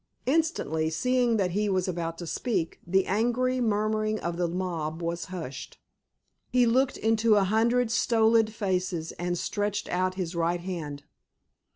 Instantly, seeing that he was about to speak, the angry murmuring of the mob was hushed. He looked into a hundred stolid faces, and stretched out his right hand.